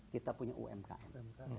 kita punya umkm